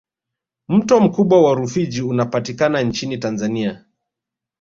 mto mkubwa wa rufiji unapatika nchini tanzania